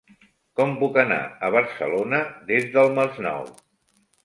Com puc anar a Barcelona des del Masnou?